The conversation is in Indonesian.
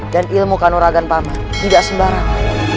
dan ilmu kanuragan paman tidak sembarangan